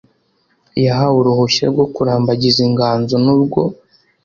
yahawe uruhushya rwo kurambagiza inganzo n urwo